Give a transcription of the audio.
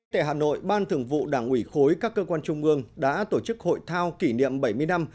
tại hà nội ban thường vụ đảng ủy khối các cơ quan trung ương đã tổ chức hội thao kỷ niệm bảy mươi năm